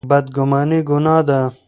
بدګماني ګناه ده.